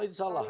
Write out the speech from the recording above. oh insya allah